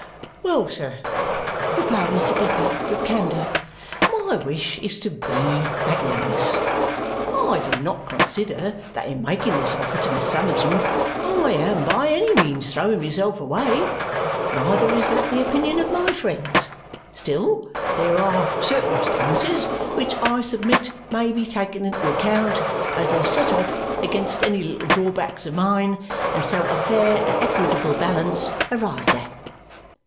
"Well, sir," replied Mr. Guppy with candour, "my wish is to BE magnanimous. I do not consider that in making this offer to Miss Summerson I am by any means throwing myself away; neither is that the opinion of my friends. Still, there are circumstances which I submit may be taken into account as a set off against any little drawbacks of mine, and so a fair and equitable balance arrived at."